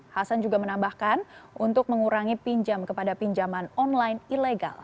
hasan juga menambahkan untuk mengurangi pinjam kepada pinjaman online ilegal